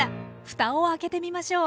ふたを開けてみましょう。